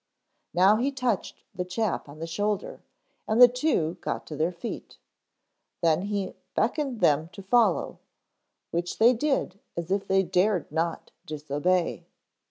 Now he touched the chap on the shoulder and the two got to their feet. Then he beckoned them to follow, which they did as if they dared not disobey.